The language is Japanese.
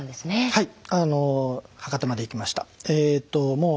はい。